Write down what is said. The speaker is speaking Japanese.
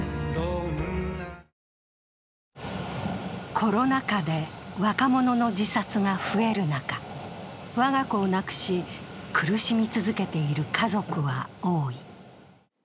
コロナ禍で若者の自殺が増える中、我が子を亡くし、苦しみ続けている家族は多い。